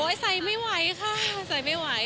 ใส่ไม่ไหวค่ะใส่ไม่ไหว